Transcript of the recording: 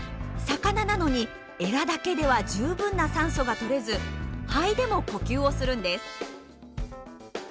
魚なのにエラだけでは十分な酸素がとれず肺でも呼吸をするんです。